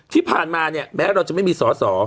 ที่ผ่านมาเนี่ยแม้เราจะไม่มีสอสอ